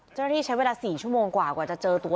เจ้าหน้าที่ใช้เวลา๔ชั่วโมงกว่ากว่าจะเจอตัว